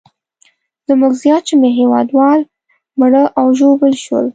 زموږ زیات شمېر هیوادوال مړه او ژوبل شول.